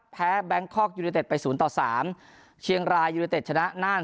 แบงคอกยูเนเต็ดไปศูนย์ต่อสามเชียงรายยูเนเต็ดชนะน่าน